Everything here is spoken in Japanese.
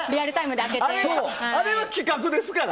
あれは、企画ですから。